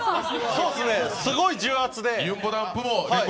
そうですね、すごい重圧で。